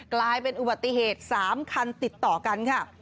กลายเป็นอุบัติเหตุ๓คันติดต่อกันค่ะ